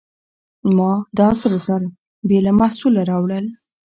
ما دا سره زر بې له محصوله راوړل.